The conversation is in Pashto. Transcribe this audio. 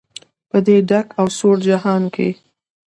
په دې ډک او سوړ جهان کې.